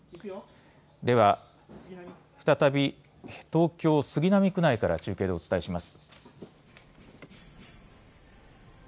では再び東京、杉並区内から中継でお伝えします。